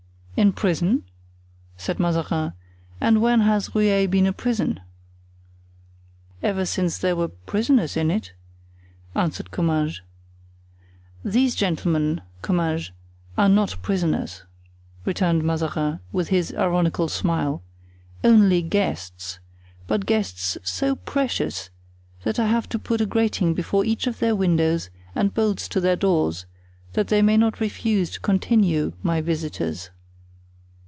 "In prison?" said Mazarin, "and when has Rueil been a prison?" "Ever since there were prisoners in it," answered Comminges. "These gentlemen, Comminges, are not prisoners," returned Mazarin, with his ironical smile, "only guests; but guests so precious that I have put a grating before each of their windows and bolts to their doors, that they may not refuse to continue my visitors.